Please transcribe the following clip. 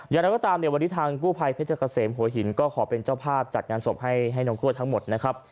อย่างไรก็ตามเนี่ยวันนี้ทางกู้ภัยเพชรเกษมหัวหินก็ขอเป็นเจ้าภาพจัดงานศพให้น้องกล้วยทั้งหมดนะครับ